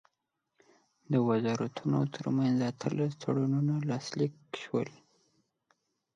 د وزارتونو ترمنځ اتلس تړونونه لاسلیک شول.